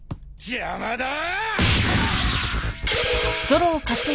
邪魔だ！